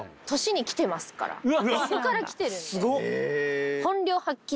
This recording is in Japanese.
そこから来てるんで。